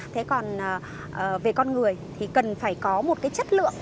thế còn về con người thì cần phải có một cái chất lượng